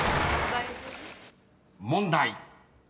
［問題］